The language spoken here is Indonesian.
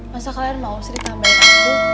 masa kalian mau sih ditambahin aku